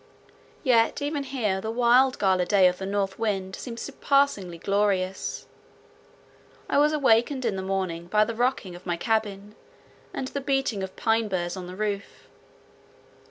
Yet even here the wild gala day of the north wind seemed surpassingly glorious. I was awakened in the morning by the rocking of my cabin and the beating of pine burs on the roof.